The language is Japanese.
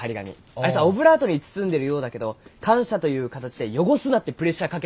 あれさオブラートに包んでるようだけど感謝という形で汚すなってプレッシャーかけられてるよね。